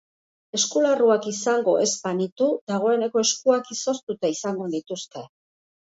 Eskularruak izango ez banitu dagoeneko eskuak izoztuta izango nituzke.